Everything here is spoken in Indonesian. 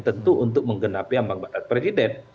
tentu untuk menggenapi ambang batas presiden